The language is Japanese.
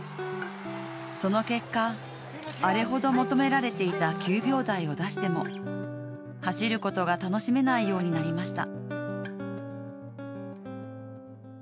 その結果、あれほど求められていた９秒台を出しても走ることが楽しめないようになりました。